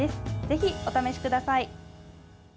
ぜひお試しください。